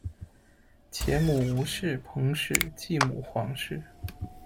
前母吴氏；彭氏；继母黄氏。